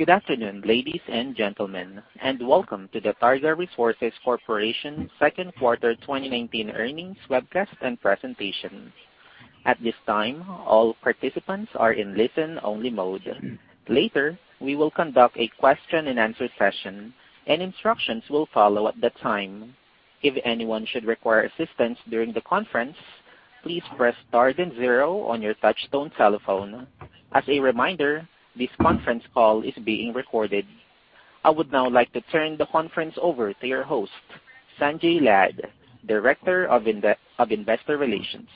Good afternoon, ladies and gentlemen, and welcome to the Targa Resources Corp. second quarter 2019 earnings webcast and presentation. At this time, all participants are in listen-only mode. Later, we will conduct a question and answer session, and instructions will follow at the time. If anyone should require assistance during the conference, please press star and zero on your touchtone telephone. As a reminder, this conference call is being recorded. I would now like to turn the conference over to your host, Sanjay Lad, Director of Investor Relations.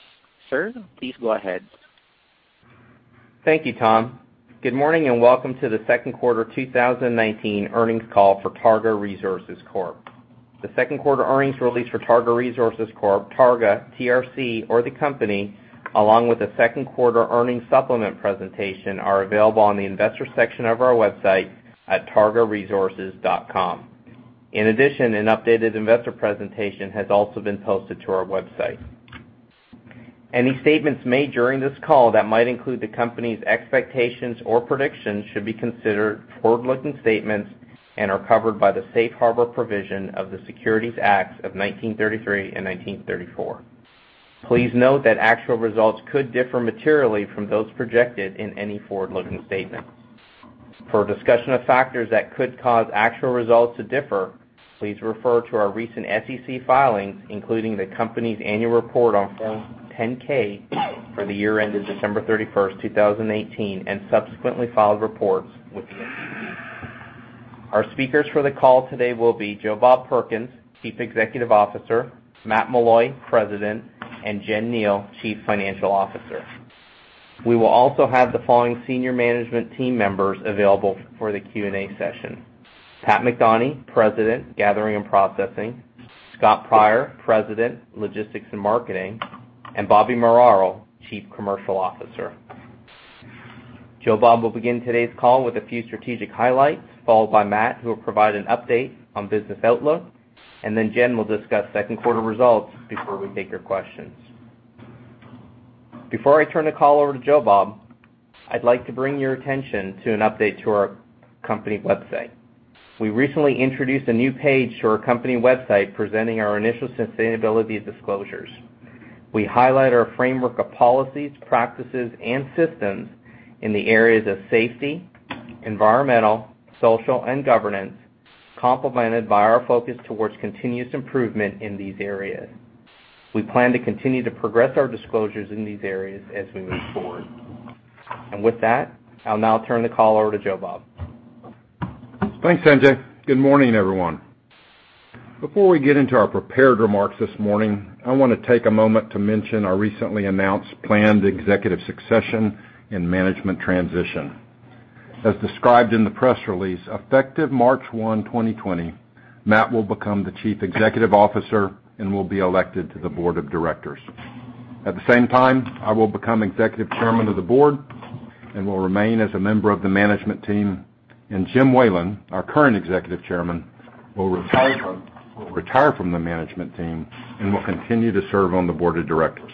Sir, please go ahead. Thank you, Tom. Good morning, and welcome to the second quarter 2019 earnings call for Targa Resources Corp. The second quarter earnings release for Targa Resources Corp., Targa, TRC, or the company, along with the second quarter earnings supplement presentation, are available on the investor section of our website at targaresources.com. In addition, an updated investor presentation has also been posted to our website. Any statements made during this call that might include the company's expectations or predictions should be considered forward-looking statements and are covered by the Safe Harbor provision of the Securities Acts of 1933 and 1934. Please note that actual results could differ materially from those projected in any forward-looking statement. For a discussion of factors that could cause actual results to differ, please refer to our recent SEC filings, including the company's annual report on Form 10-K for the year ended December 31st, 2018, and subsequently filed reports with the SEC. Our speakers for the call today will be Joe Bob Perkins, Chief Executive Officer, Matt Meloy, President, and Jen Kneale, Chief Financial Officer. We will also have the following senior management team members available for the Q&A session: Pat McDonie, President, Gathering and Processing, Scott Pryor, President, Logistics and Marketing, and Bobby Muraro, Chief Commercial Officer. Joe Bob will begin today's call with a few strategic highlights, followed by Matt, who will provide an update on business outlook, and then Jen will discuss second quarter results before we take your questions. Before I turn the call over to Joe Bob, I'd like to bring your attention to an update to our company website. We recently introduced a new page to our company website presenting our initial sustainability disclosures. We highlight our framework of policies, practices, and systems in the areas of safety, environmental, social, and governance, complemented by our focus towards continuous improvement in these areas. We plan to continue to progress our disclosures in these areas as we move forward. With that, I'll now turn the call over to Joe Bob. Thanks, Sanjay. Good morning, everyone. Before we get into our prepared remarks this morning, I want to take a moment to mention our recently announced planned executive succession and management transition. As described in the press release, effective March 1, 2020, Matt will become the Chief Executive Officer and will be elected to the Board of Directors. At the same time, I will become Executive Chairman of the Board and will remain as a member of the management team. Jim Whalen, our current Executive Chairman, will retire from the management team and will continue to serve on the Board of Directors.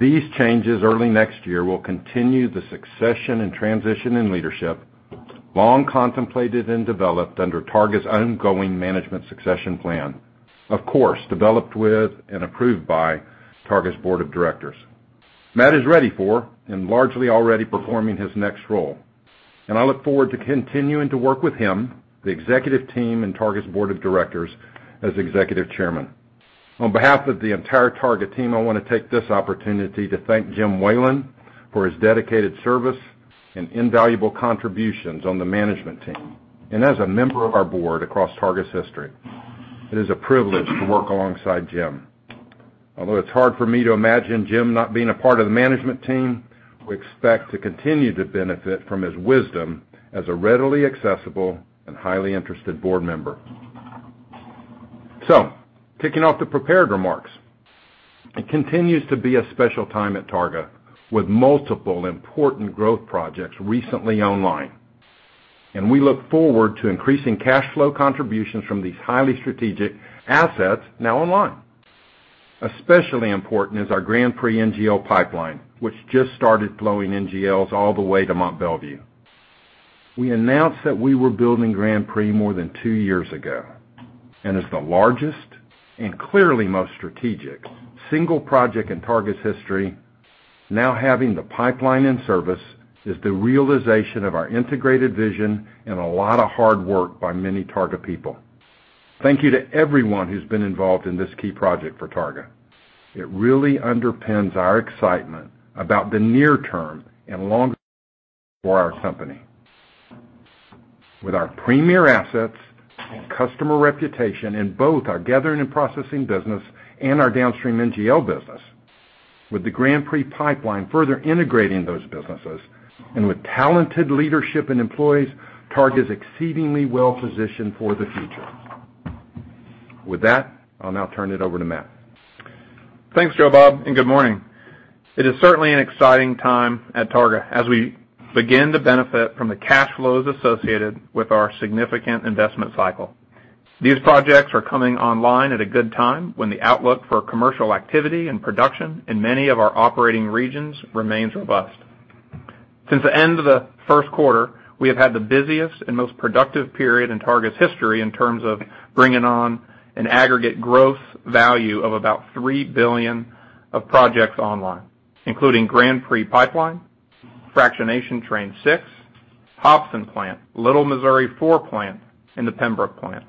These changes early next year will continue the succession and transition in leadership, long contemplated and developed under Targa's ongoing management succession plan, of course, developed with and approved by Targa's Board of Directors. Matt is ready for and largely already performing his next role. I look forward to continuing to work with him, the executive team, and Targa's Board of Directors as Executive Chairman. On behalf of the entire Targa team, I want to take this opportunity to thank Jim Whalen for his dedicated service and invaluable contributions on the management team and as a member of our board across Targa's history. It is a privilege to work alongside Jim. Although it's hard for me to imagine Jim not being a part of the management team, we expect to continue to benefit from his wisdom as a readily accessible and highly interested board member. Kicking off the prepared remarks. It continues to be a special time at Targa with multiple important growth projects recently online. We look forward to increasing cash flow contributions from these highly strategic assets now online. Especially important is our Grand Prix NGL Pipeline, which just started flowing NGLs all the way to Mont Belvieu. We announced that we were building Grand Prix more than two years ago, and it's the largest and clearly most strategic single project in Targa's history. Now having the pipeline in service is the realization of our integrated vision and a lot of hard work by many Targa people. Thank you to everyone who's been involved in this key project for Targa. It really underpins our excitement about the near term and long for our company. With our premier assets and customer reputation in both our gathering and processing business and our downstream NGL business, with the Grand Prix pipeline further integrating those businesses, and with talented leadership and employees, Targa's exceedingly well positioned for the future. With that, I'll now turn it over to Matt. Thanks, Joe Bob, good morning. It is certainly an exciting time at Targa as we begin to benefit from the cash flows associated with our significant investment cycle These projects are coming online at a good time when the outlook for commercial activity and production in many of our operating regions remains robust. Since the end of the first quarter, we have had the busiest and most productive period in Targa Resources' history in terms of bringing on an aggregate growth value of about $3 billion of projects online, including Grand Prix Pipeline, Fractionation Train 6, Hopson plant, Little Missouri Four plant, and the Pembrook plant.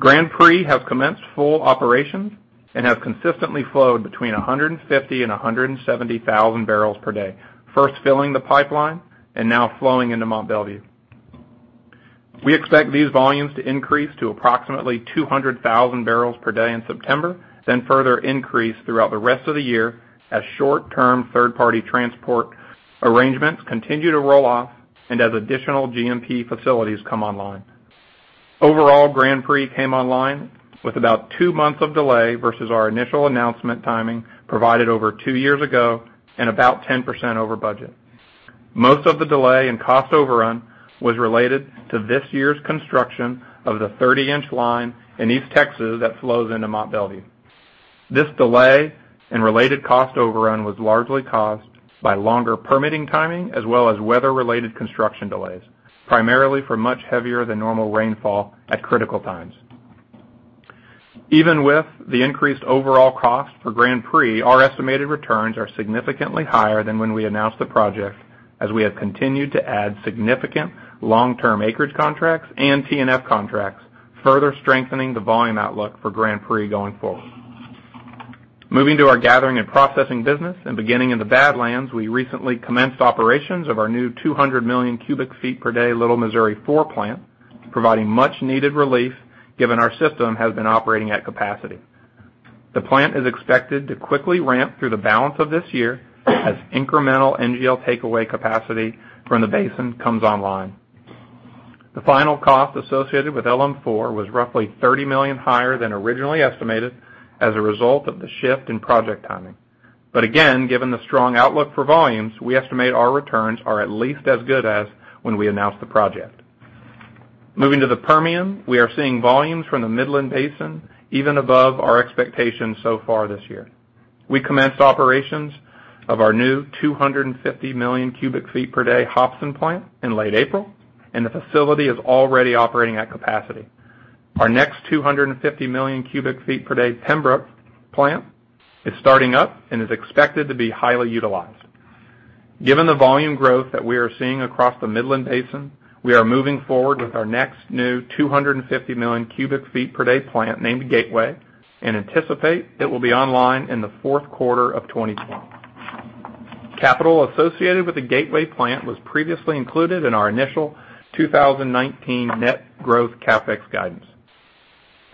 Grand Prix has commenced full operations and has consistently flowed between 150,000 and 170,000 barrels per day, first filling the pipeline and now flowing into Mont Belvieu. Further increase throughout the rest of the year as short-term third-party transport arrangements continue to roll off and as additional G&P facilities come online. Overall, Grand Prix came online with about two months of delay versus our initial announcement timing provided over two years ago and about 10% over budget. Most of the delay in cost overrun was related to this year's construction of the 30-inch line in East Texas that flows into Mont Belvieu. This delay and related cost overrun was largely caused by longer permitting timing as well as weather-related construction delays, primarily for much heavier than normal rainfall at critical times. Even with the increased overall cost for Grand Prix, our estimated returns are significantly higher than when we announced the project, as we have continued to add significant long-term acreage contracts and T&F contracts, further strengthening the volume outlook for Grand Prix going forward. Moving to our Gathering and Processing business and beginning in the Badlands, we recently commenced operations of our new 200 million cubic feet per day Little Missouri Four plant, providing much needed relief given our system has been operating at capacity. The plant is expected to quickly ramp through the balance of this year as incremental NGL takeaway capacity from the basin comes online. The final cost associated with LM4 was roughly $30 million higher than originally estimated as a result of the shift in project timing. Again, given the strong outlook for volumes, we estimate our returns are at least as good as when we announced the project. Moving to the Permian, we are seeing volumes from the Midland Basin even above our expectations so far this year. We commenced operations of our new 250 million cubic feet per day Hopson plant in late April, and the facility is already operating at capacity. Our next 250 million cubic feet per day Pembrook plant is starting up and is expected to be highly utilized. Given the volume growth that we are seeing across the Midland Basin, we are moving forward with our next new 250 million cubic feet per day plant, named Gateway, and anticipate it will be online in the fourth quarter of 2020. Capital associated with the Gateway plant was previously included in our initial 2019 net growth CapEx guidance.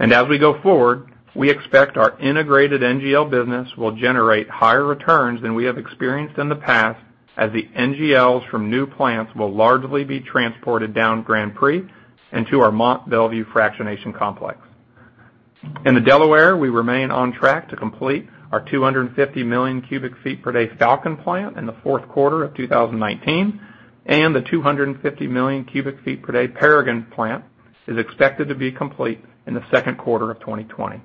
As we go forward, we expect our integrated NGL business will generate higher returns than we have experienced in the past, as the NGLs from new plants will largely be transported down Grand Prix and to our Mont Belvieu Fractionation complex. In the Delaware, we remain on track to complete our 250 million cubic feet per day Falcon plant in the fourth quarter of 2019, and the 250 million cubic feet per day Peregrine plant is expected to be complete in the second quarter of 2020.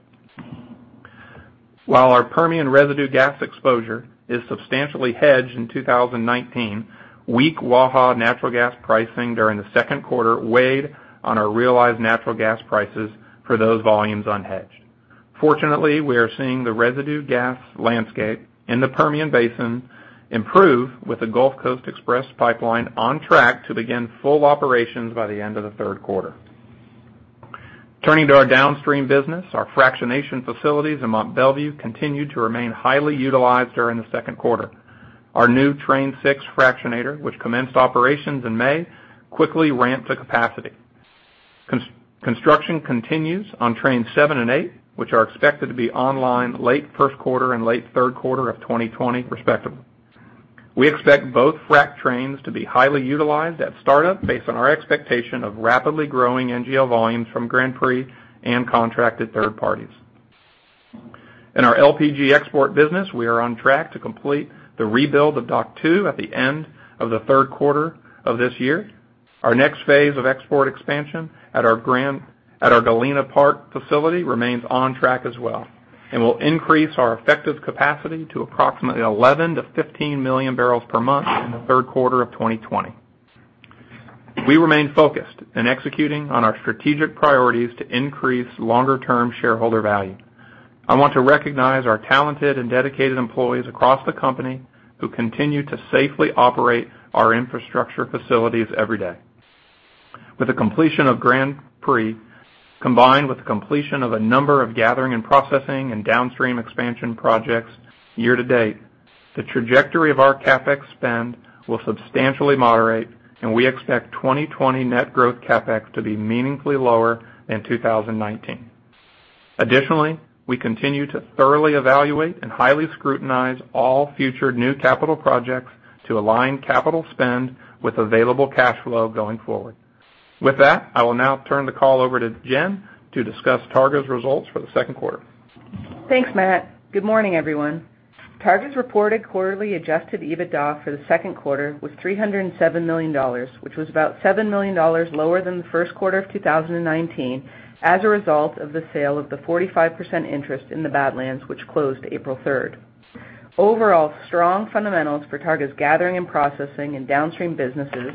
While our Permian residue gas exposure is substantially hedged in 2019, weak Waha natural gas pricing during the second quarter weighed on our realized natural gas prices for those volumes unhedged. Fortunately, we are seeing the residue gas landscape in the Permian basin improve with the Gulf Coast Express pipeline on track to begin full operations by the end of the third quarter. Turning to our downstream business, our fractionation facilities in Mont Belvieu continued to remain highly utilized during the second quarter. Our new Train 6 fractionator, which commenced operations in May, quickly ramped to capacity. Construction continues on Train 7 and Train 8, which are expected to be online late first quarter and late third quarter of 2020 respectively. We expect both frac trains to be highly utilized at startup based on our expectation of rapidly growing NGL volumes from Grand Prix and contracted third parties. In our LPG export business, we are on track to complete the rebuild of Dock Two at the end of the third quarter of this year. Our next phase of export expansion at our Galena Park facility remains on track as well and will increase our effective capacity to approximately 11 million to 15 million barrels per month in the third quarter of 2020. We remain focused in executing on our strategic priorities to increase longer-term shareholder value. I want to recognize our talented and dedicated employees across the company who continue to safely operate our infrastructure facilities every day. With the completion of Grand Prix, combined with the completion of a number of gathering and processing and downstream expansion projects year to date, the trajectory of our CapEx spend will substantially moderate, and we expect 2020 net growth CapEx to be meaningfully lower than 2019. We continue to thoroughly evaluate and highly scrutinize all future new capital projects to align capital spend with available cash flow going forward. With that, I will now turn the call over to Jen to discuss Targa's results for the second quarter. Thanks, Matt. Good morning, everyone. Targa's reported quarterly Adjusted EBITDA for the second quarter was $307 million, which was about $7 million lower than the first quarter of 2019 as a result of the sale of the 45% interest in the Badlands, which closed April 3rd. Overall, strong fundamentals for Targa's Gathering and Processing and downstream businesses,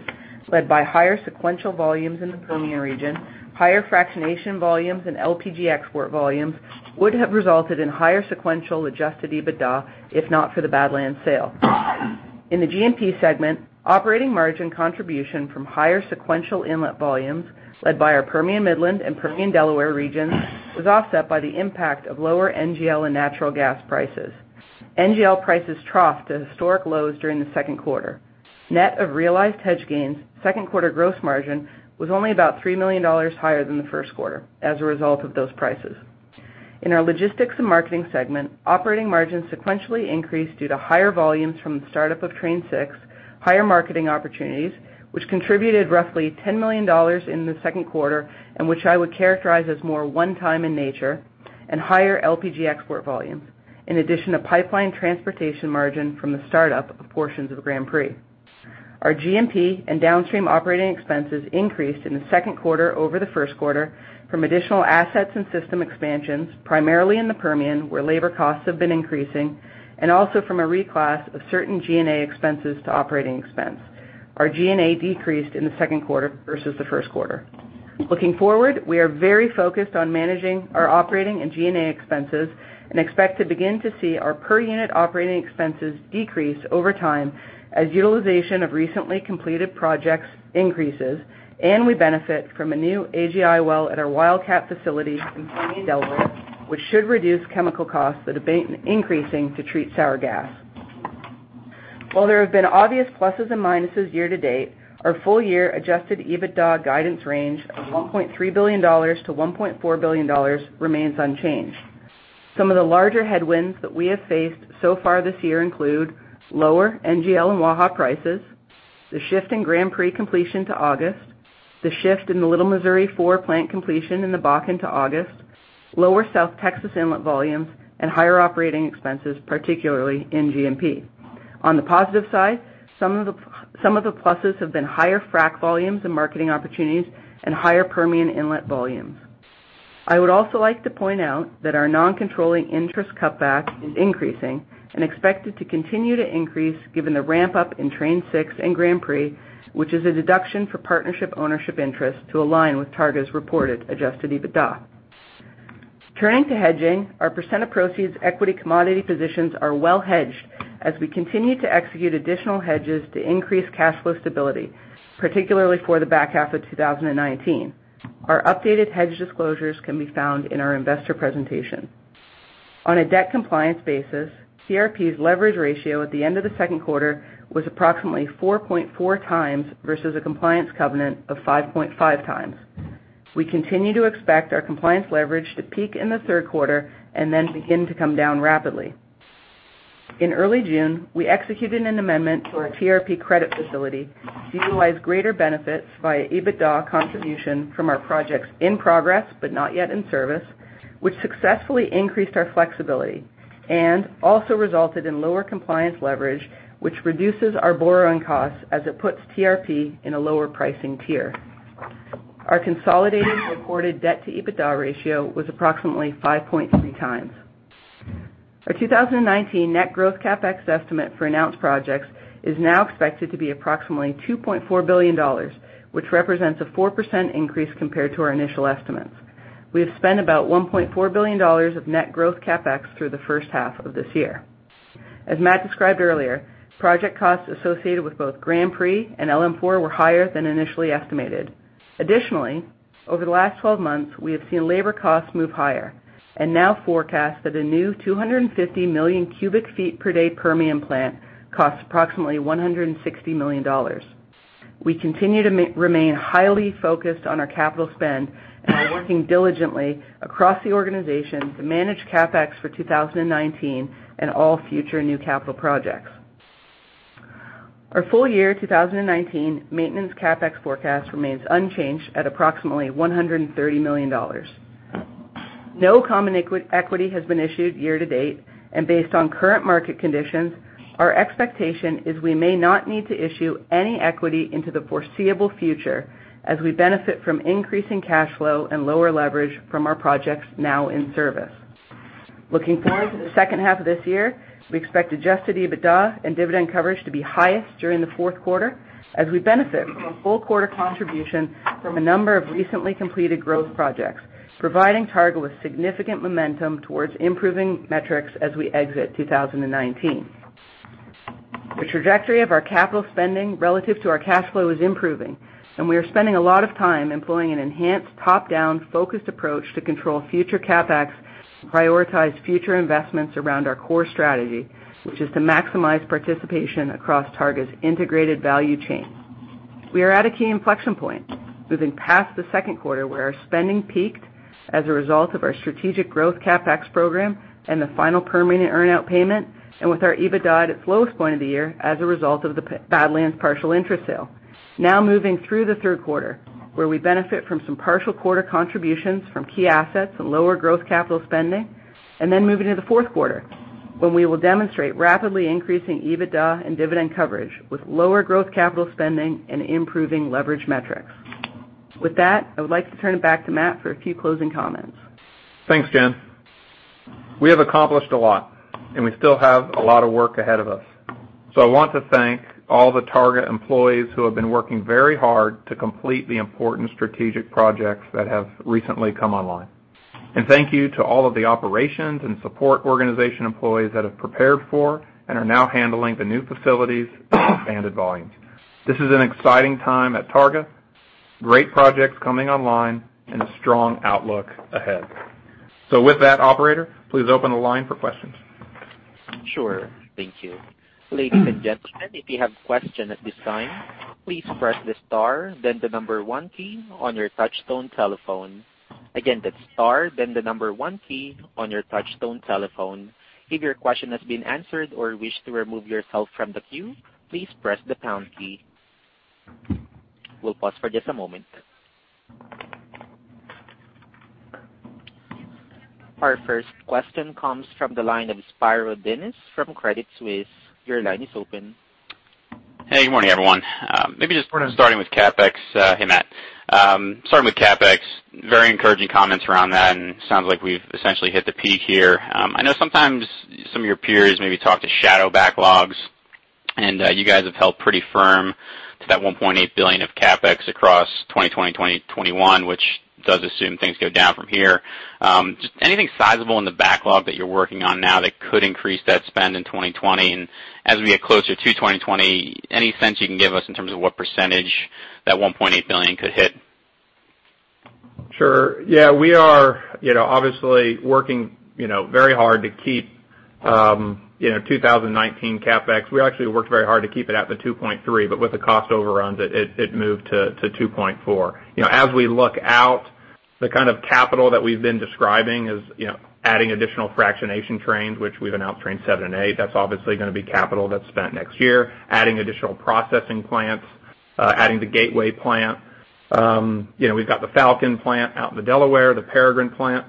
led by higher sequential volumes in the Permian region, higher fractionation volumes, and LPG export volumes, would have resulted in higher sequential Adjusted EBITDA if not for the Badlands sale. In the G&P segment, operating margin contribution from higher sequential inlet volumes led by our Permian Midland and Permian Delaware regions was offset by the impact of lower NGL and natural gas prices. NGL prices troughed to historic lows during the second quarter. Net of realized hedge gains, second quarter gross margin was only about $3 million higher than the first quarter as a result of those prices. In our logistics and marketing segment, operating margins sequentially increased due to higher volumes from the startup of Train Six, higher marketing opportunities, which contributed roughly $10 million in the second quarter, and which I would characterize as more one-time in nature, and higher LPG export volumes, in addition to pipeline transportation margin from the startup of portions of Grand Prix. Our G&P and downstream operating expenses increased in the second quarter over the first quarter from additional assets and system expansions, primarily in the Permian, where labor costs have been increasing, and also from a reclass of certain G&A expenses to operating expense. Our G&A decreased in the second quarter versus the first quarter. Looking forward, we are very focused on managing our operating and G&A expenses and expect to begin to see our per-unit operating expenses decrease over time as utilization of recently completed projects increases and we benefit from a new AGI well at our Wildcat facility in Permian Delaware, which should reduce chemical costs that have been increasing to treat sour gas. While there have been obvious pluses and minuses year-to-date, our full-year Adjusted EBITDA guidance range of $1.3 billion-$1.4 billion remains unchanged. Some of the larger headwinds that we have faced so far this year include lower NGL and Waha prices, the shift in Grand Prix completion to August, the shift in the Little Missouri Four plant completion in the Bakken to August, lower South Texas inlet volumes, and higher operating expenses, particularly in G&P. On the positive side, some of the pluses have been higher frack volumes and marketing opportunities and higher Permian inlet volumes. I would also like to point out that our non-controlling interest cutback is increasing and expected to continue to increase given the ramp-up in Train 6 and Grand Prix, which is a deduction for partnership ownership interest to align with Targa's reported Adjusted EBITDA. Turning to hedging, our percent-of-proceeds equity commodity positions are well hedged as we continue to execute additional hedges to increase cash flow stability, particularly for the back half of 2019. Our updated hedge disclosures can be found in our investor presentation. On a debt compliance basis, TRP's leverage ratio at the end of the second quarter was approximately 4.4 times versus a compliance covenant of 5.5 times. We continue to expect our compliance leverage to peak in the third quarter and then begin to come down rapidly. In early June, we executed an amendment to our TRP credit facility to utilize greater benefits via EBITDA contribution from our projects in progress, but not yet in service, which successfully increased our flexibility and also resulted in lower compliance leverage, which reduces our borrowing costs as it puts TRP in a lower pricing tier. Our consolidated reported debt to EBITDA ratio was approximately 5.3 times. Our 2019 net growth CapEx estimate for announced projects is now expected to be approximately $2.4 billion, which represents a 4% increase compared to our initial estimates. We have spent about $1.4 billion of net growth CapEx through the first half of this year. As Matt described earlier, project costs associated with both Grand Prix and LM4 were higher than initially estimated. Additionally, over the last 12 months, we have seen labor costs move higher and now forecast that a new 250 million cubic feet per day Permian plant costs approximately $160 million. We continue to remain highly focused on our capital spend and are working diligently across the organization to manage CapEx for 2019 and all future new capital projects. Our full year 2019 maintenance CapEx forecast remains unchanged at approximately $130 million. No common equity has been issued year-to-date, and based on current market conditions, our expectation is we may not need to issue any equity into the foreseeable future as we benefit from increasing cash flow and lower leverage from our projects now in service. Looking forward to the second half of this year, we expect Adjusted EBITDA and dividend coverage to be highest during the fourth quarter as we benefit from a full quarter contribution from a number of recently completed growth projects, providing Targa with significant momentum towards improving metrics as we exit 2019. The trajectory of our capital spending relative to our cash flow is improving, and we are spending a lot of time employing an enhanced top-down, focused approach to control future CapEx and prioritize future investments around our core strategy, which is to maximize participation across Targa's integrated value chain. We are at a key inflection point, moving past the second quarter where our spending peaked as a result of our strategic growth CapEx program and the final permanent earn-out payment, and with our EBITDA at its lowest point of the year as a result of the Badlands partial interest sale. Now moving through the third quarter, where we benefit from some partial quarter contributions from key assets and lower growth capital spending, and then moving to the fourth quarter, when we will demonstrate rapidly increasing EBITDA and dividend coverage with lower growth capital spending and improving leverage metrics. With that, I would like to turn it back to Matt for a few closing comments. Thanks, Jen. We have accomplished a lot, we still have a lot of work ahead of us. I want to thank all the Targa employees who have been working very hard to complete the important strategic projects that have recently come online. Thank you to all of the operations and support organization employees that have prepared for and are now handling the new facilities and expanded volumes. This is an exciting time at Targa. Great projects coming online and a strong outlook ahead. With that, operator, please open the line for questions. Sure. Thank you. Ladies and gentlemen, if you have question at this time, please press the star then the number one key on your touchtone telephone. Again, that's star then the number one key on your touchtone telephone. If your question has been answered or wish to remove yourself from the queue, please press the pound key. We'll pause for just a moment. Our first question comes from the line of Spiro Dounis from Credit Suisse. Your line is open. Hey, good morning, everyone. Maybe just kind of starting with CapEx. Hey, Matt. Starting with CapEx, very encouraging comments around that. Sounds like we've essentially hit the peak here. I know sometimes some of your peers maybe talk to shadow backlogs. You guys have held pretty firm to that $1.8 billion of CapEx across 2020, 2021, which does assume things go down from here. Just anything sizable in the backlog that you're working on now that could increase that spend in 2020? As we get closer to 2020, any sense you can give us in terms of what percentage that $1.8 billion could hit? Sure. Yeah, we are obviously working very hard to keep 2019 CapEx. We actually worked very hard to keep it at the $2.3. With the cost overruns, it moved to $2.4. As we look out, the kind of capital that we've been describing is adding additional fractionation trains, which we've announced Train 7 and 8. That's obviously going to be capital that's spent next year, adding additional processing plants, adding the Gateway plant. We've got the Falcon plant out in the Delaware, the Peregrine plant.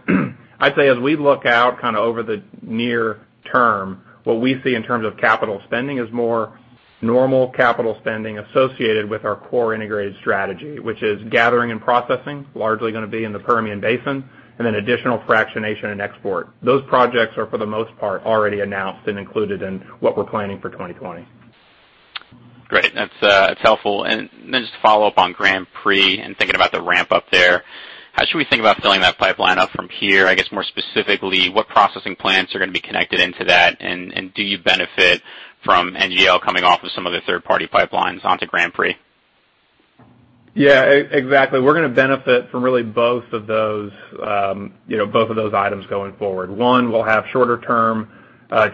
I'd say as we look out over the near term, what we see in terms of capital spending is more normal capital spending associated with our core integrated strategy. Which is gathering and processing, largely going to be in the Permian Basin, then additional fractionation and export. Those projects are, for the most part, already announced and included in what we're planning for 2020. Great. That's helpful. Then just to follow up on Grand Prix and thinking about the ramp-up there. How should we think about filling that pipeline up from here? I guess more specifically, what processing plants are going to be connected into that? Do you benefit from NGL coming off of some of the third-party pipelines onto Grand Prix? Exactly. We're going to benefit from really both of those items going forward. One, we'll have shorter-term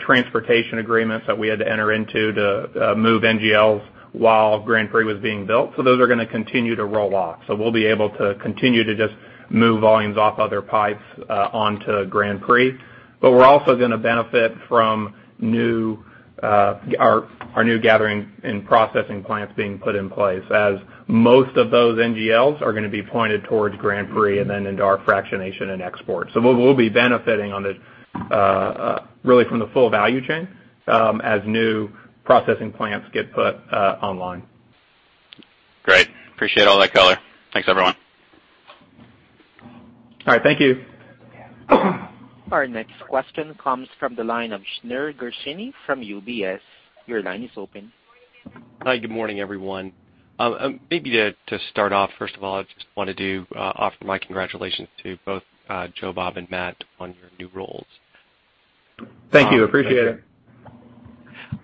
transportation agreements that we had to enter into to move NGLs while Grand Prix was being built, so those are going to continue to roll off. We'll be able to continue to just move volumes off other pipes onto Grand Prix. We're also going to benefit from our new gathering and processing plants being put in place, as most of those NGLs are going to be pointed towards Grand Prix and then into our fractionation and export. We'll be benefiting on this really from the full value chain, as new processing plants get put online. Great. Appreciate all that color. Thanks, everyone. All right. Thank you. Our next question comes from the line of Shneur Gershuni from UBS. Your line is open. Hi. Good morning, everyone. Maybe to start off, first of all, I just wanted to offer my congratulations to both Joe Bob and Matt on your new roles. Thank you. Appreciate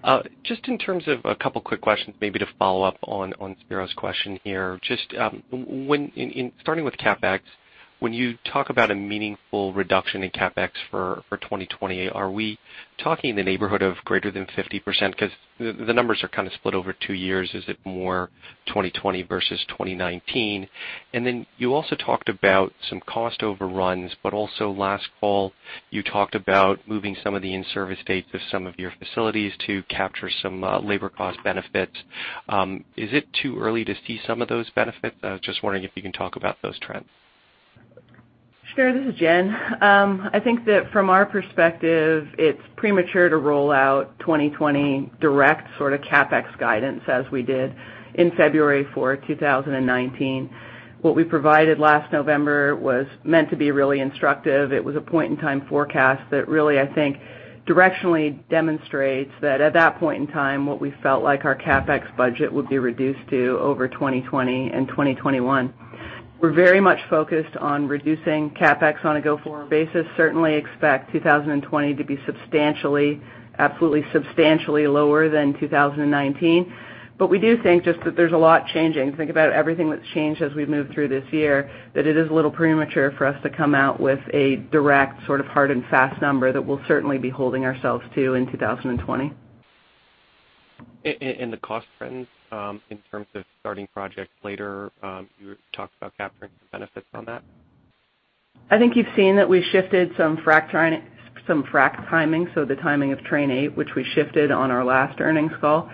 it. Just in terms of a couple quick questions, maybe to follow up on Spiro's question here. Starting with CapEx, when you talk about a meaningful reduction in CapEx for 2020, are we talking in the neighborhood of greater than 50%? The numbers are kind of split over two years. Is it more 2020 versus 2019? You also talked about some cost overruns. Last fall, you talked about moving some of the in-service dates of some of your facilities to capture some labor cost benefits. Is it too early to see some of those benefits? I was just wondering if you can talk about those trends. Shneur, this is Jen. I think that from our perspective, it's premature to roll out 2020 direct sort of CapEx guidance as we did in February for 2019. What we provided last November was meant to be really instructive. It was a point-in-time forecast that really, I think, directionally demonstrates that at that point in time, what we felt like our CapEx budget would be reduced to over 2020 and 2021. We're very much focused on reducing CapEx on a go-forward basis. Certainly expect 2020 to be absolutely substantially lower than 2019. We do think just that there's a lot changing. Think about everything that's changed as we've moved through this year, that it is a little premature for us to come out with a direct sort of hard and fast number that we'll certainly be holding ourselves to in 2020. The cost trends, in terms of starting projects later, you talked about capturing some benefits on that? I think you've seen that we shifted some frac timing, so the timing of Train 8, which we shifted on our last earnings call.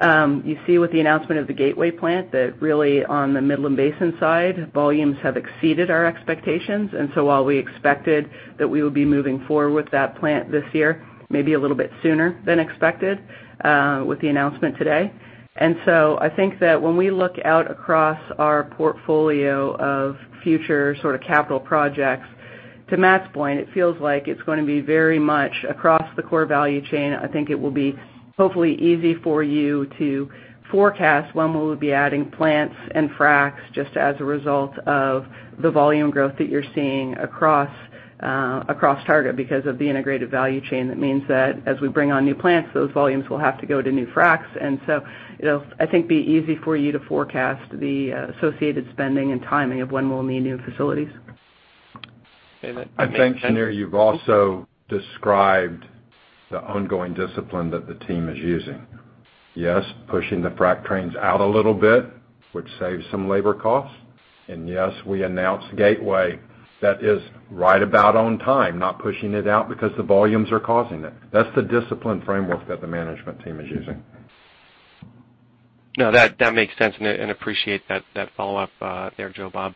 You see with the announcement of the Gateway plant that really on the Midland Basin side, volumes have exceeded our expectations. While we expected that we would be moving forward with that plant this year, maybe a little bit sooner than expected, with the announcement today. I think that when we look out across our portfolio of future capital projects, to Matt's point, it feels like it's going to be very much across the core value chain. I think it will be hopefully easy for you to forecast when we'll be adding plants and fracs just as a result of the volume growth that you're seeing across Targa because of the integrated value chain. That means that as we bring on new plants, those volumes will have to go to new fracs. It'll, I think, be easy for you to forecast the associated spending and timing of when we'll need new facilities. Okay. That makes sense. I think, Shneur, you've also described the ongoing discipline that the team is using. Yes, pushing the frac trains out a little bit, which saves some labor costs. Yes, we announced Gateway. That is right about on time, not pushing it out because the volumes are causing it. That's the discipline framework that the management team is using. No, that makes sense, and appreciate that follow-up there, Joe Bob.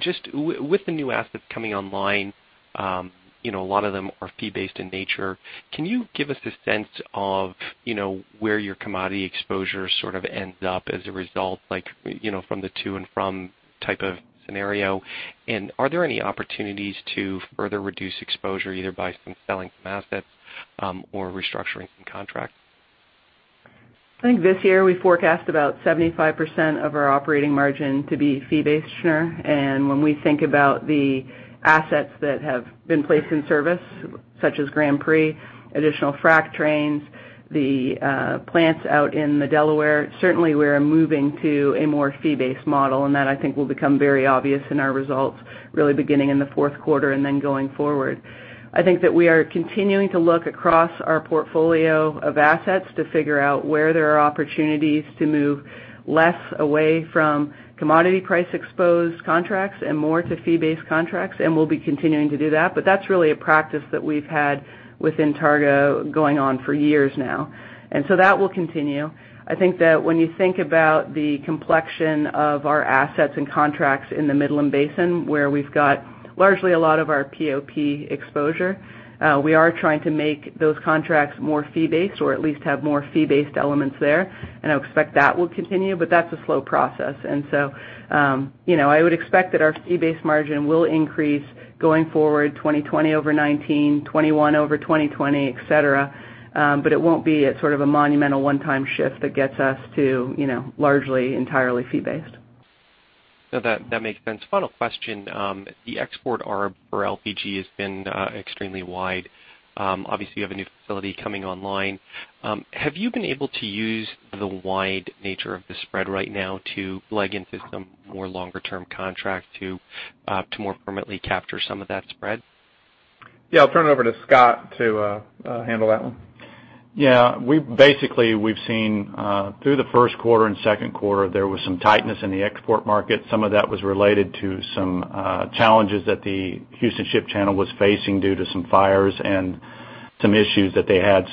Just with the new assets coming online, a lot of them are fee-based in nature. Can you give us a sense of where your commodity exposure sort of ends up as a result, like, from the to and from type of scenario? Are there any opportunities to further reduce exposure, either by some selling some assets, or restructuring some contracts? I think this year we forecast about 75% of our operating margin to be fee-based, Shneur. When we think about the assets that have been placed in service, such as Grand Prix, additional frac trains, the plants out in the Delaware, certainly we are moving to a more fee-based model, and that I think will become very obvious in our results really beginning in the fourth quarter and then going forward. I think that we are continuing to look across our portfolio of assets to figure out where there are opportunities to move less away from commodity price exposed contracts and more to fee-based contracts. We'll be continuing to do that. That's really a practice that we've had within Targa going on for years now. That will continue. I think that when you think about the complexion of our assets and contracts in the Midland Basin, where we've got largely a lot of our POP exposure, we are trying to make those contracts more fee-based, or at least have more fee-based elements there. I would expect that will continue, but that's a slow process. I would expect that our fee-based margin will increase going forward 2020 over 2019, 2021 over 2020, et cetera. It won't be at sort of a monumental one-time shift that gets us to largely entirely fee-based. No, that makes sense. Final question. The export ARB for LPG has been extremely wide. Obviously, you have a new facility coming online. Have you been able to use the wide nature of the spread right now to leg into some more longer-term contracts to more permanently capture some of that spread? Yeah, I'll turn it over to Scott to handle that one. Yeah. Basically, we've seen through the first quarter and second quarter, there was some tightness in the export market. Some of that was related to some challenges that the Houston Ship Channel was facing due to some fires and some issues that they had.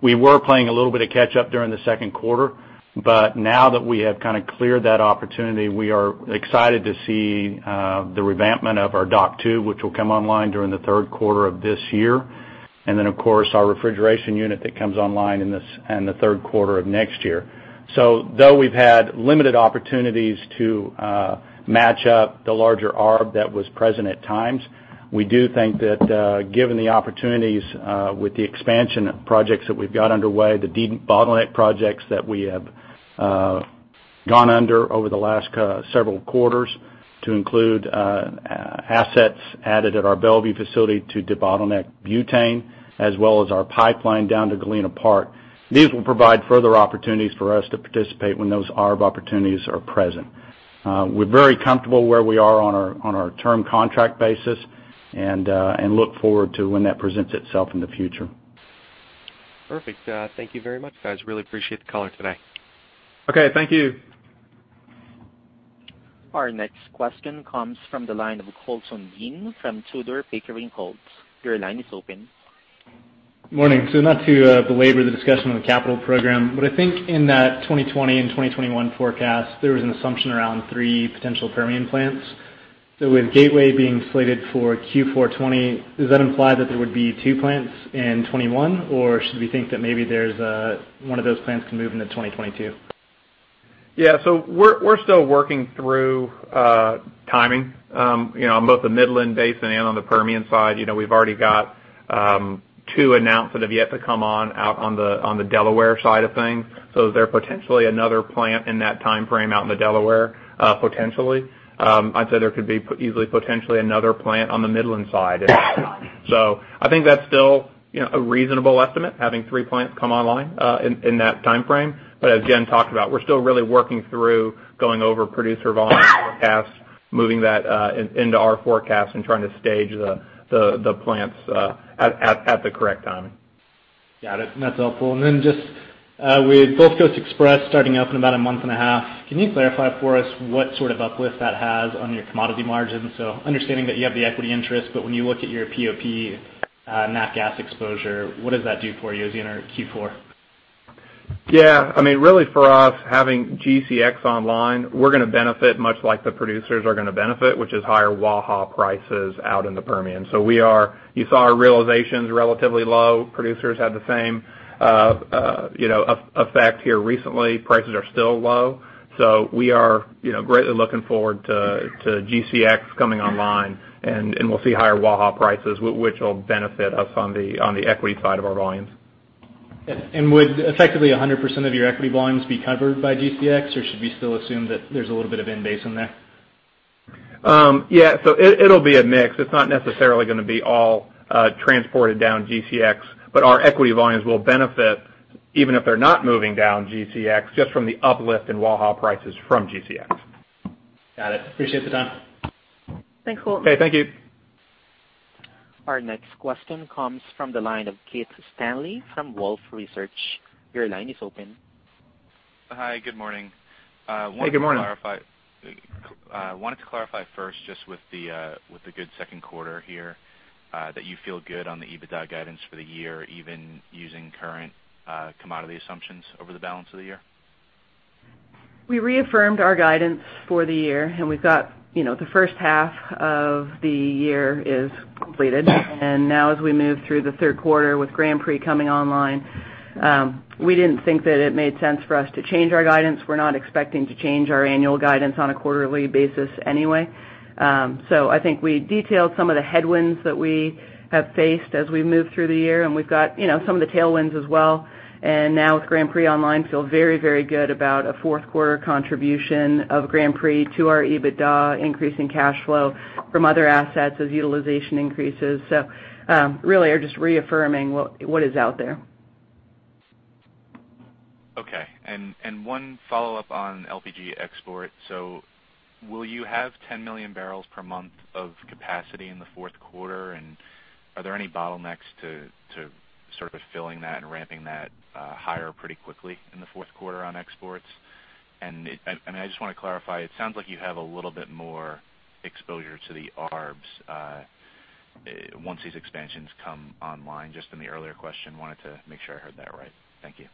We were playing a little bit of catch up during the second quarter, but now that we have kind of cleared that opportunity, we are excited to see the revampment of our Dock Two, which will come online during the third quarter of this year. Of course, our refrigeration unit that comes online in the third quarter of next year. Though we've had limited opportunities to match up the larger ARB that was present at times, we do think that, given the opportunities, with the expansion projects that we've got underway, the debottleneck projects that we have gone under over the last several quarters to include assets added at our Mont Belvieu facility to debottleneck butane, as well as our pipeline down to Galena Park. These will provide further opportunities for us to participate when those ARB opportunities are present. We're very comfortable where we are on our term contract basis and look forward to when that presents itself in the future. Perfect. Thank you very much, guys. Really appreciate the call in today. Okay. Thank you. Our next question comes from the line of Colton Ying from Tudor, Pickering, Holt & Co. Your line is open. Morning. Not to belabor the discussion on the capital program, but I think in that 2020 and 2021 forecast, there was an assumption around three potential Permian plants. With Gateway being slated for Q4 2020, does that imply that there would be two plants in 2021, or should we think that maybe one of those plants can move into 2022? Yeah. We're still working through timing, on both the Midland Basin and on the Permian side. We've already got 2 announced that have yet to come on out on the Delaware side of things. Is there potentially another plant in that timeframe out in the Delaware? Potentially. I'd say there could be easily potentially another plant on the Midland side. I think that's still a reasonable estimate, having 3 plants come online in that timeframe. As Jen talked about, we're still really working through going over producer volumes and forecasts, moving that into our forecast and trying to stage the plants at the correct timing. Got it. That's helpful. Just with Gulf Coast Express starting up in about a month and a half, can you clarify for us what sort of uplift that has on your commodity margins? Understanding that you have the equity interest, but when you look at your POP, nat gas exposure, what does that do for you as you enter Q4? Yeah. Really for us, having GCX online, we're going to benefit much like the producers are going to benefit, which is higher WAHA prices out in the Permian. You saw our realizations relatively low. Producers had the same effect here recently. Prices are still low. We are greatly looking forward to GCX coming online, and we'll see higher WAHA prices, which will benefit us on the equity side of our volumes. Would effectively 100% of your equity volumes be covered by GCX, or should we still assume that there's a little bit of NGLs in there? Yeah. It'll be a mix. It's not necessarily going to be all transported down GCX, but our equity volumes will benefit even if they're not moving down GCX, just from the uplift in WAHA prices from GCX. Got it. Appreciate the time. Thanks, Cole. Okay. Thank you. Our next question comes from the line of Keith Stanley from Wolfe Research. Your line is open. Hi. Good morning. Hey, good morning. Wanted to clarify first, just with the good second quarter here, that you feel good on the EBITDA guidance for the year, even using current commodity assumptions over the balance of the year? We reaffirmed our guidance for the year. We've got the first half of the year is completed. Now as we move through the third quarter with Grand Prix coming online, we didn't think that it made sense for us to change our guidance. We're not expecting to change our annual guidance on a quarterly basis anyway. I think we detailed some of the headwinds that we have faced as we move through the year. We've got some of the tailwinds as well. Now with Grand Prix online, feel very, very good about a fourth quarter contribution of Grand Prix to our EBITDA increase in cash flow from other assets as utilization increases. Really are just reaffirming what is out there. Okay. One follow-up on LPG export. Will you have 10 million barrels per month of capacity in the fourth quarter, and are there any bottlenecks to sort of filling that and ramping that higher pretty quickly in the fourth quarter on exports? I just want to clarify, it sounds like you have a little bit more exposure to the ARBs once these expansions come online, just in the earlier question, wanted to make sure I heard that right. Thank you.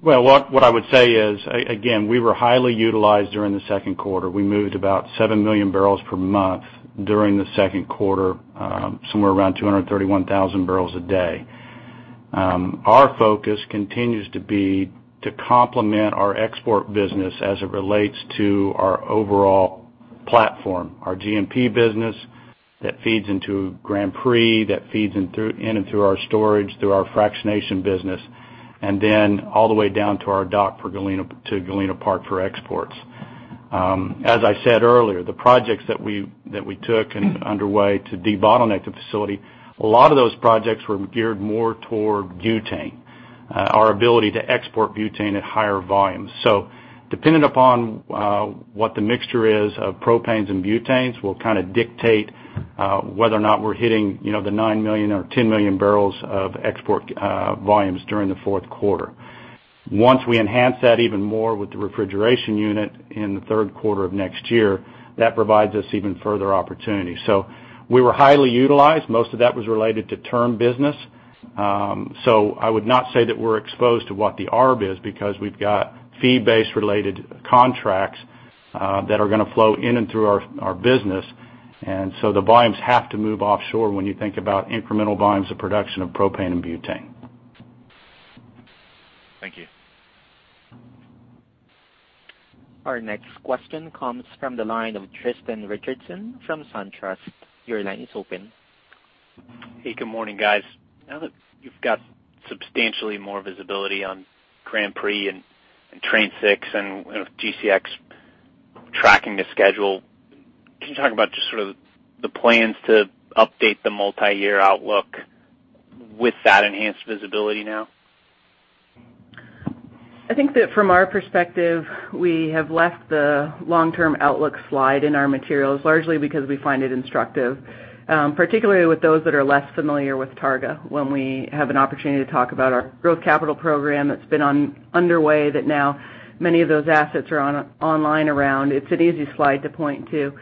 What I would say is, again, we were highly utilized during the second quarter. We moved about 7 million barrels per month during the second quarter, somewhere around 231,000 barrels a day. Our focus continues to be to complement our export business as it relates to our overall platform, our G&P business that feeds into Grand Prix, that feeds in and through our storage, through our fractionation business, and then all the way down to our dock to Galena Park for exports. As I said earlier, the projects that we took and underway to debottleneck the facility, a lot of those projects were geared more toward butane. Our ability to export butane at higher volumes. Dependent upon what the mixture is of propanes and butanes, will kind of dictate whether or not we're hitting the 9 million or 10 million barrels of export volumes during the fourth quarter. Once we enhance that even more with the refrigeration unit in the third quarter of next year, that provides us even further opportunity. We were highly utilized. Most of that was related to term business. I would not say that we're exposed to what the ARB is because we've got fee-based related contracts that are going to flow in and through our business, the volumes have to move offshore when you think about incremental volumes of production of propane and butane. Thank you. Our next question comes from the line of Tristan Richardson from SunTrust. Your line is open. Hey, good morning, guys. Now that you've got substantially more visibility on Grand Prix and Train 6 and GCX tracking the schedule, can you talk about just sort of the plans to update the multi-year outlook with that enhanced visibility now? I think that from our perspective, we have left the long-term outlook slide in our materials largely because we find it instructive. Particularly with those that are less familiar with Targa, when we have an opportunity to talk about our growth capital program that's been underway that now many of those assets are online around, it's an easy slide to point to.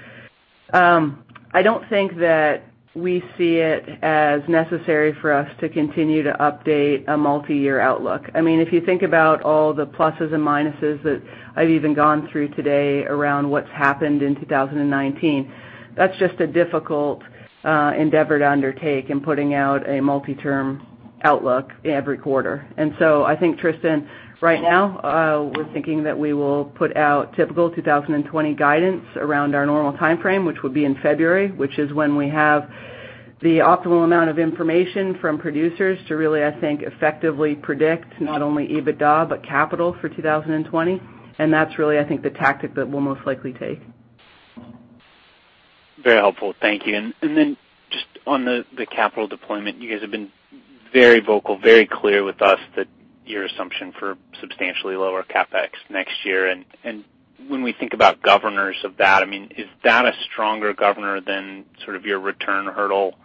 I don't think that we see it as necessary for us to continue to update a multi-year outlook. If you think about all the pluses and minuses that I've even gone through today around what's happened in 2019, that's just a difficult endeavor to undertake in putting out a multi-term outlook every quarter. I think, Tristan, right now, we're thinking that we will put out typical 2020 guidance around our normal timeframe, which will be in February, which is when we have the optimal amount of information from producers to really, I think, effectively predict not only EBITDA, but capital for 2020. That's really, I think, the tactic that we'll most likely take. Very helpful. Thank you. Then just on the capital deployment, you guys have been very vocal, very clear with us that. Your assumption for substantially lower CapEx next year. When we think about governors of that, is that a stronger governor than sort of your return hurdle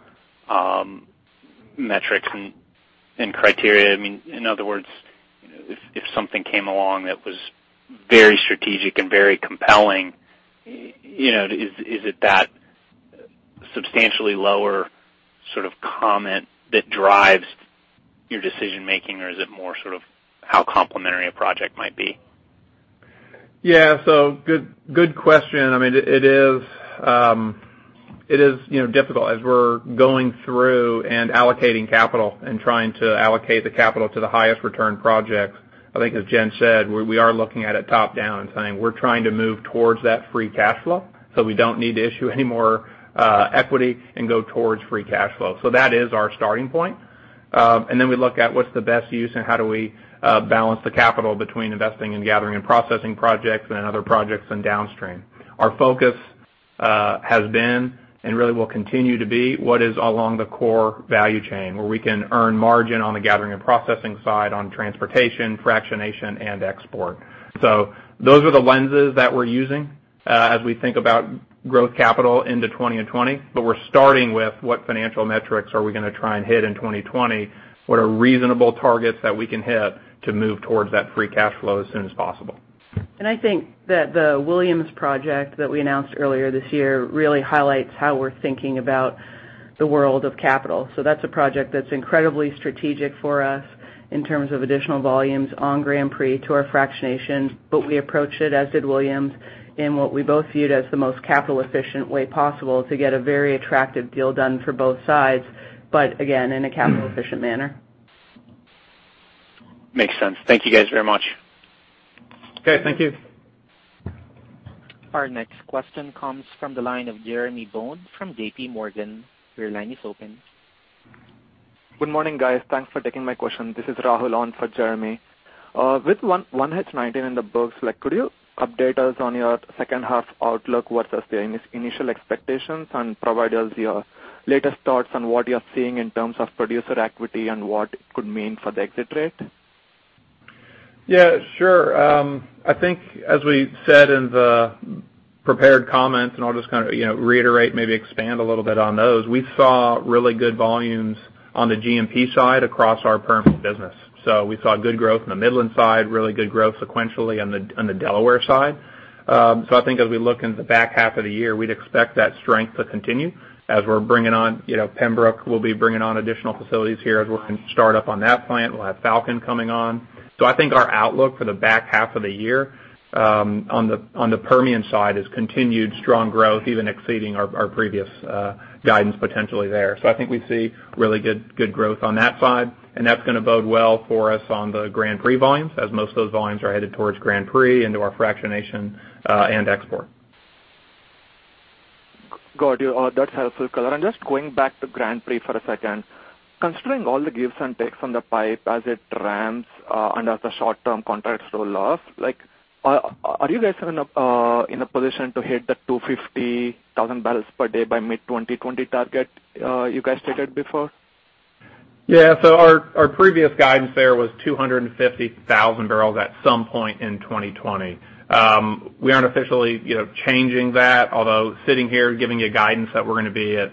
metrics and criteria? In other words, if something came along that was very strategic and very compelling, is it that substantially lower sort of comment that drives your decision-making, or is it more sort of how complementary a project might be? Yeah. Good question. It is difficult. As we're going through and allocating capital and trying to allocate the capital to the highest return projects, I think as Jen said, we are looking at it top-down and saying we're trying to move towards that free cash flow, so we don't need to issue any more equity and go towards free cash flow. That is our starting point. Then we look at what's the best use and how do we balance the capital between investing in Gathering and Processing projects and other projects in downstream. Our focus has been, and really will continue to be, what is along the core value chain, where we can earn margin on the Gathering and Processing side on transportation, fractionation, and export. Those are the lenses that we're using as we think about growth capital into 2020. We're starting with what financial metrics are we going to try and hit in 2020, what are reasonable targets that we can hit to move towards that free cash flow as soon as possible. I think that the Williams project that we announced earlier this year really highlights how we're thinking about the world of capital. That's a project that's incredibly strategic for us in terms of additional volumes on Grand Prix to our fractionation. We approached it, as did Williams, in what we both viewed as the most capital-efficient way possible to get a very attractive deal done for both sides, but again, in a capital-efficient manner. Makes sense. Thank you guys very much. Okay, thank you. Our next question comes from the line of Jeremy Tonet from J.P. Morgan. Your line is open. Good morning, guys. Thanks for taking my question. This is Rahul on for Jeremy. With 1H 2019 in the books, could you update us on your second half outlook versus the initial expectations and provide us your latest thoughts on what you're seeing in terms of producer equity and what it could mean for the exit rate? Sure. I think as we said in the prepared comments, and I'll just kind of reiterate, maybe expand a little bit on those, we saw really good volumes on the G&P side across our Permian business. We saw good growth on the Midland side, really good growth sequentially on the Delaware side. I think as we look into the back half of the year, we'd expect that strength to continue. Pembrook will be bringing on additional facilities here as we start up on that plant. We'll have Falcon coming on. I think our outlook for the back half of the year on the Permian side is continued strong growth, even exceeding our previous guidance potentially there. I think we see really good growth on that side, and that's going to bode well for us on the Grand Prix volumes, as most of those volumes are headed towards Grand Prix into our fractionation and export. Got you. That's helpful color. Just going back to Grand Prix for a second. Considering all the gives and takes on the pipe as it ramps and as the short-term contracts roll off, are you guys in a position to hit the 250,000 barrels per day by mid-2020 target you guys stated before? Yeah. Our previous guidance there was 250,000 barrels at some point in 2020. We aren't officially changing that. Although sitting here giving you guidance that we're going to be at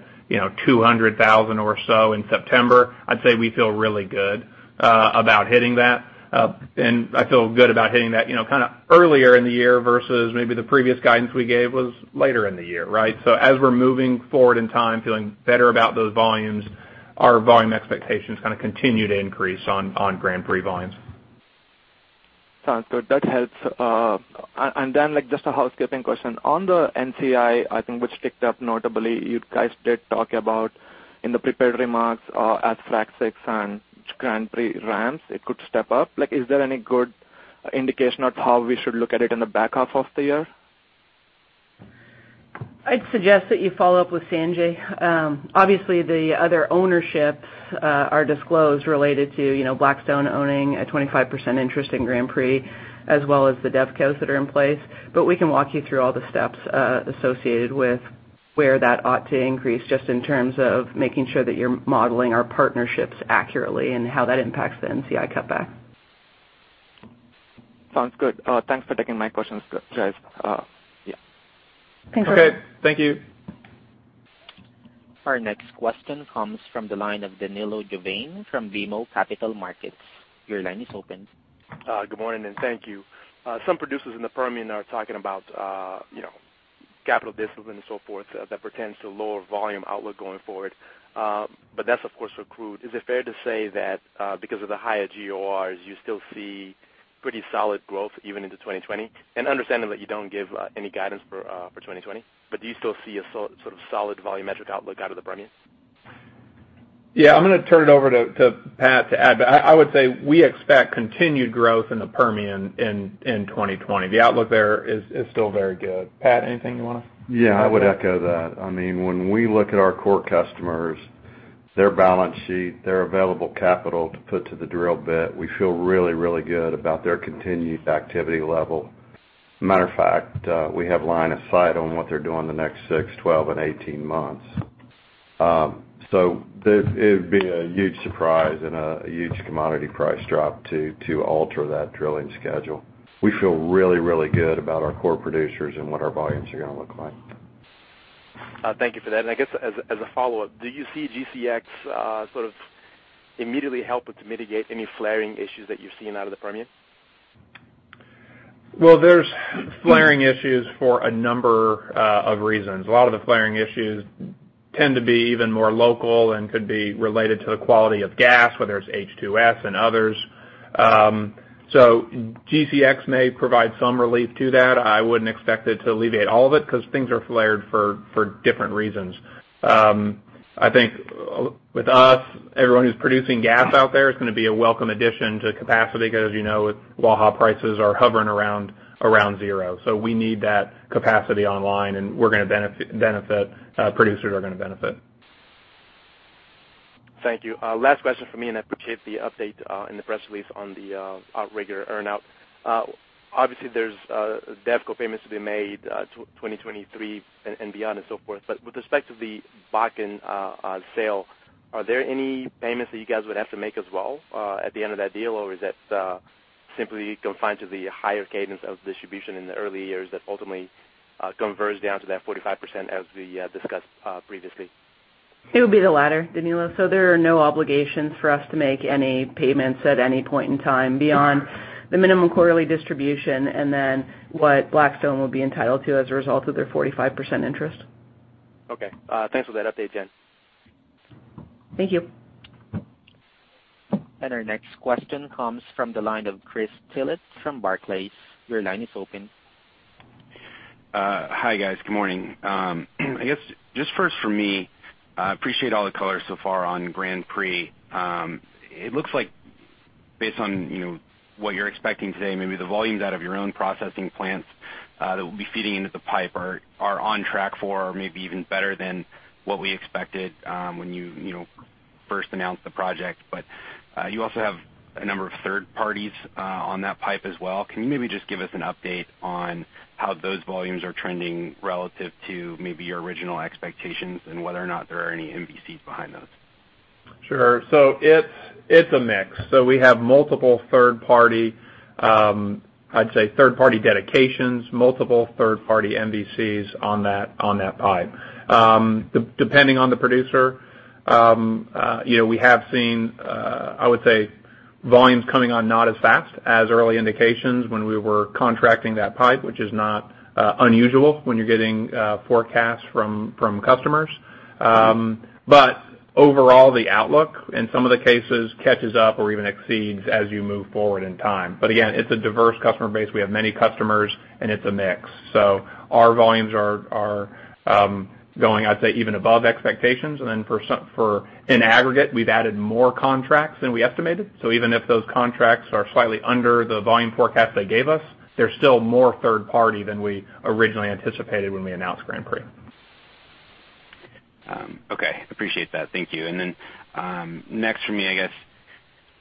200,000 or so in September, I'd say we feel really good about hitting that. I feel good about hitting that kind of earlier in the year versus maybe the previous guidance we gave was later in the year, right? As we're moving forward in time, feeling better about those volumes, our volume expectations kind of continue to increase on Grand Prix volumes. Sounds good. That helps. Then just a housekeeping question. On the NCI, I think which ticked up notably, you guys did talk about in the prepared remarks as Frac VI and Grand Prix ramps, it could step up. Is there any good indication of how we should look at it in the back half of the year? I'd suggest that you follow up with Sanjay. Obviously, the other ownerships are disclosed related to Blackstone owning a 25% interest in Grand Prix, as well as the DevCos that are in place. We can walk you through all the steps associated with where that ought to increase, just in terms of making sure that you're modeling our partnerships accurately and how that impacts the NCI cutback. Sounds good. Thanks for taking my questions, guys. Yeah. Thanks, Rahul. Okay, thank you. Our next question comes from the line of Danilo Juvane from BMO Capital Markets. Your line is open. Good morning, and thank you. Some producers in the Permian are talking about capital disciplines and so forth that pertains to lower volume outlook going forward. That's, of course, for crude. Is it fair to say that because of the higher GORs, you still see pretty solid growth even into 2020? Understanding that you don't give any guidance for 2020. Do you still see a sort of solid volumetric outlook out of the Permian? I'm going to turn it over to Pat to add, but I would say we expect continued growth in the Permian in 2020. The outlook there is still very good. Pat, anything you want to add? Yeah. I would echo that. When we look at our core customers, their balance sheet, their available capital to put to the drill bit, we feel really, really good about their continued activity level. Matter of fact, we have line of sight on what they're doing the next six, 12 and 18 months. It would be a huge surprise and a huge commodity price drop to alter that drilling schedule. We feel really, really good about our core producers and what our volumes are going to look like. Thank you for that. I guess as a follow-up, do you see GCX sort of immediately helping to mitigate any flaring issues that you're seeing out of the Permian? Well, there's flaring issues for a number of reasons. A lot of the flaring issues tend to be even more local and could be related to the quality of gas, whether it's H2S and others. GCX may provide some relief to that. I wouldn't expect it to alleviate all of it because things are flared for different reasons. I think with us, everyone who's producing gas out there is going to be a welcome addition to capacity because with wellhead prices are hovering around zero. We need that capacity online, and producers are going to benefit. Thank you. Last question from me. I appreciate the update in the press release on the Outrigger earn-out. Obviously, there's DevCo payments to be made 2023 and beyond and so forth. With respect to the Bakken sale, are there any payments that you guys would have to make as well at the end of that deal? Is that simply confined to the higher cadence of distribution in the early years that ultimately converts down to that 45% as we discussed previously? It would be the latter, Danilo. There are no obligations for us to make any payments at any point in time beyond the minimum quarterly distribution and then what Blackstone will be entitled to as a result of their 45% interest. Okay. Thanks for that update, Jen. Thank you. Our next question comes from the line of Chris Tillett from Barclays. Your line is open. Hi, guys. Good morning. I guess just first for me, I appreciate all the color so far on Grand Prix. It looks like based on what you're expecting today, maybe the volumes out of your own processing plants that will be feeding into the pipe are on track for maybe even better than what we expected when you first announced the project. You also have a number of third parties on that pipe as well. Can you maybe just give us an update on how those volumes are trending relative to maybe your original expectations and whether or not there are any MVCs behind those? Sure. It's a mix. We have multiple third-party, I'd say third-party dedications, multiple third-party MVCs on that pipe. Depending on the producer, we have seen, I would say volumes coming on not as fast as early indications when we were contracting that pipe, which is not unusual when you're getting forecasts from customers. Overall, the outlook in some of the cases catches up or even exceeds as you move forward in time. Again, it's a diverse customer base. We have many customers, and it's a mix. Our volumes are going, I'd say, even above expectations. In aggregate, we've added more contracts than we estimated. Even if those contracts are slightly under the volume forecast they gave us, there's still more third-party than we originally anticipated when we announced Grand Prix. Okay. Appreciate that. Thank you. Next for me, I guess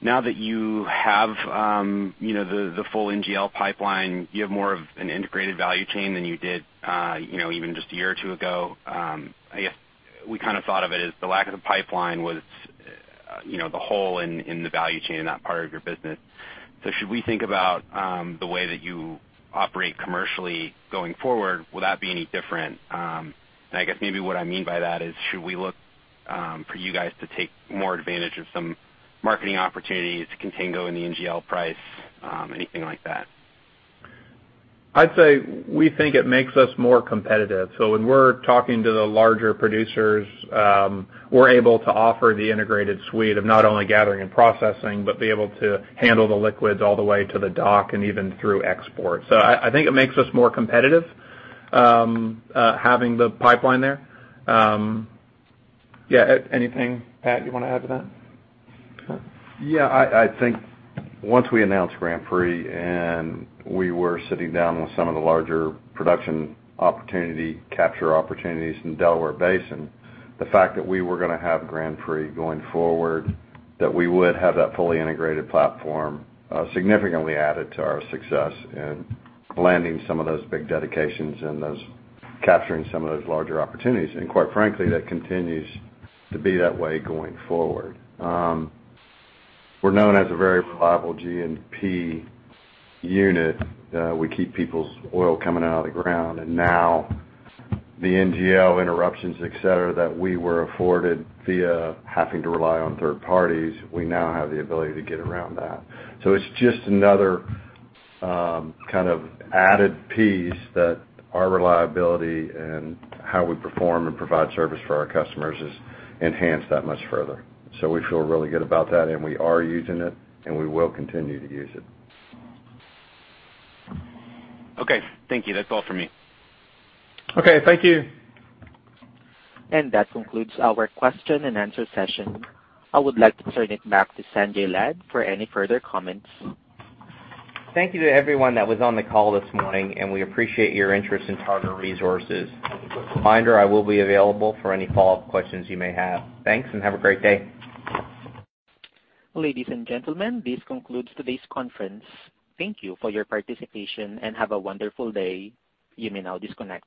now that you have the full NGL pipeline, you have more of an integrated value chain than you did even just a year or two ago. I guess we kind of thought of it as the lack of the pipeline was the hole in the value chain in that part of your business. Should we think about the way that you operate commercially going forward? Will that be any different? I guess maybe what I mean by that is should we look for you guys to take more advantage of some marketing opportunities to Contango in the NGL price, anything like that? I'd say we think it makes us more competitive. When we're talking to the larger producers, we're able to offer the integrated suite of not only Gathering and Processing, but be able to handle the liquids all the way to the dock and even through export. I think it makes us more competitive having the pipeline there. Anything, Pat, you want to add to that? Yeah, I think once we announced Grand Prix and we were sitting down with some of the larger production capture opportunities in Delaware Basin, the fact that we were going to have Grand Prix going forward, that we would have that fully integrated platform, significantly added to our success in landing some of those big dedications and capturing some of those larger opportunities. Quite frankly, that continues to be that way going forward. We're known as a very reliable G&P unit. We keep people's oil coming out of the ground. Now the NGL interruptions, et cetera, that we were afforded via having to rely on third parties, we now have the ability to get around that. It's just another kind of added piece that our reliability and how we perform and provide service for our customers is enhanced that much further. We feel really good about that, and we are using it, and we will continue to use it. Okay. Thank you. That's all for me. Okay. Thank you. That concludes our question and answer session. I would like to turn it back to Sanjay Lad for any further comments. Thank you to everyone that was on the call this morning, and we appreciate your interest in Targa Resources. Reminder, I will be available for any follow-up questions you may have. Thanks and have a great day. Ladies and gentlemen, this concludes today's conference. Thank you for your participation, and have a wonderful day. You may now disconnect.